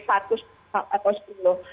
satu atau sepuluh